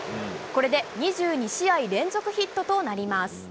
これで２２試合連続ヒットとなります。